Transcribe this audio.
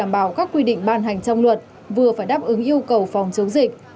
vừa đảm bảo các quy định ban hành trong luật vừa phải đáp ứng yêu cầu phòng chống dịch